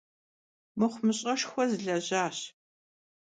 Mıxhumış'eşşxue slejaş.